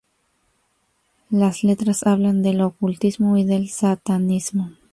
Las letras hablan del ocultismo y del satanismo.